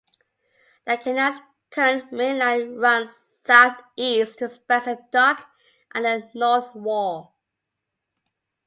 The canal's current mainline runs south-east to Spencer Dock at the North Wall.